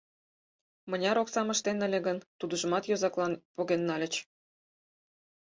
Мыняр оксам ыштен ыле гын, тудыжымат йозаклан поген нальыч.